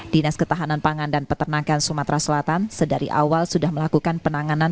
dinas ketahanan pangan dan peternakan sumatera selatan sedari awal sudah melakukan penanganan